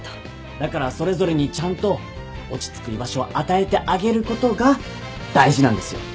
だからそれぞれにちゃんと落ち着く居場所を与えてあげることが大事なんですよ。